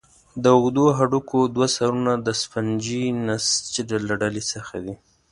د اوږدو هډوکو دوه سرونه د سفنجي نسج له ډلې څخه دي.